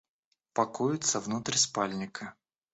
Пакуются внутрь спальника.